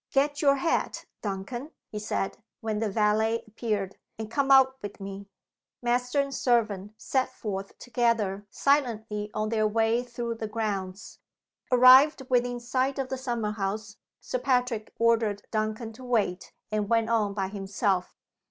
"Get your hat, Duncan," he said, when the valet appeared, "and come out with me." Master and servant set forth together silently on their way through the grounds. Arrived within sight of the summer house, Sir Patrick ordered Duncan to wait, and went on by himself.